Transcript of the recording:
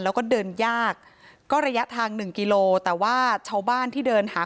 แล้วก็เดินยากก็ระยะทางหนึ่งกิโลแต่ว่าชาวบ้านที่เดินหา